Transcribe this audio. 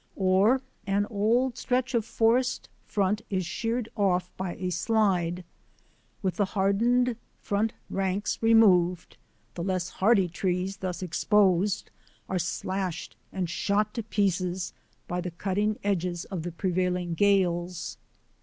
Or an old stretch of forest front is sheared off by a slide. With the hardened front ranks removed, the less hardy trees thus exposed are slashed and shot to pieces by the cutting edges of the prevailing gales.